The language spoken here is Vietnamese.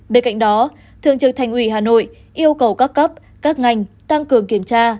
bên cạnh đó thượng trưởng thành ủy hà nội yêu cầu các cấp các ngành tăng cường kiểm tra